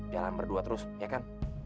jalan berdua terus ya kan